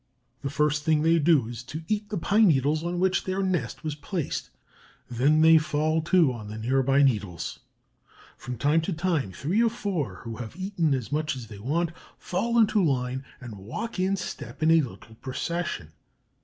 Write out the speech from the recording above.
The first thing they do is to eat the pine needles on which their nest was placed; then they fall to on the near by needles. From time to time, three or four who have eaten as much as they want fall into line and walk in step in a little procession.